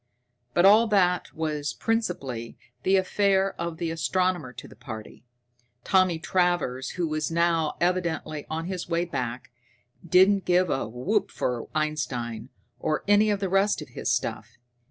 But all that was principally the affair of the astronomer of the party. Tommy Travers, who was now evidently on his way back, didn't give a whoop for Einstein, or any of the rest of the stuff.